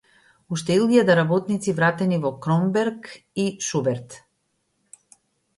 Уште илјада работници вратени во „Кромберг и Шуберт“